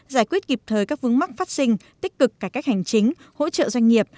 giải quyết kịp thời các vướng mắc phát sinh tích cực cải cách hành chính hỗ trợ doanh nghiệp